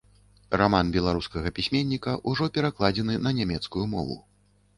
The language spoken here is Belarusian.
Раман беларускага пісьменніка ўжо перакладзены на нямецкую мову.